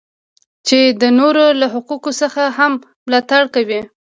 چې د نورو له حقوقو څخه هم ملاتړ کوي.